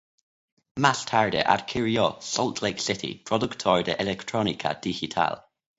Más tarde adquirió Salt Lake City, productor de electrónica digital.